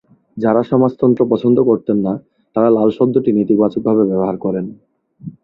যারা সমাজতন্ত্র পছন্দ করতেন না তারা লাল শব্দটি নেতিবাচকভাবে ব্যবহার করেন।